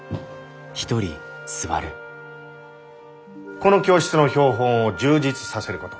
この教室の標本を充実させること。